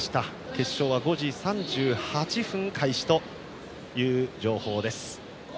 決勝は５時３８分に開始という情報です。